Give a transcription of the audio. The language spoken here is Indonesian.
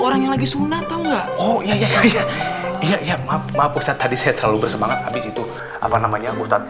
orang yang lagi sunat enggak oh ya maaf tadi saya terlalu bersemangat habis itu apa namanya ustadz